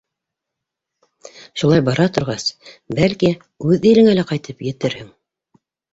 Шулай бара торғас, бәлки, үҙ илеңә лә ҡайтып етерһең.